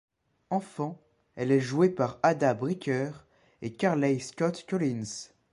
Enfant, elle est jouée par Ada Brecker et Karley Scott Collins.